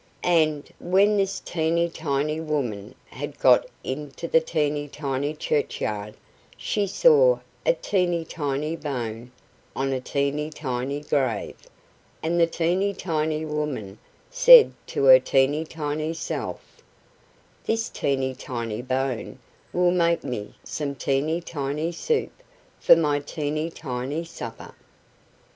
And when this teeny tiny woman had got into the teeny tiny churchyard, she saw a teeny tiny bone on a teeny tiny grave, and the teeny tiny woman said to her teeny tiny self: "This teeny tiny bone will make me some teeny tiny soup for my teeny tiny supper."